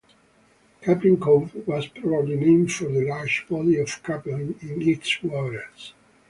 Caplin Cove was probably named for the large body of capelin in its waters.